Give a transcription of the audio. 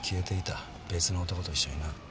別の男と一緒にな。